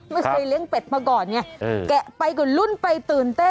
ไม่เคยเลี้ยงเป็ดมาก่อนเนี่ยแกะไปก็ลุ้นไปตื่นเต้น